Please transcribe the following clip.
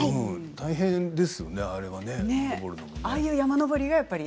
大変ですよね、あれはね。